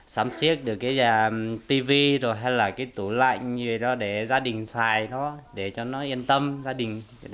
sắm xiếc được cái tivi hay là cái tủ lạnh như vậy đó để gia đình xài nó để cho nó yên tâm gia đình